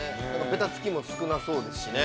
べたつきも少なそうですよね。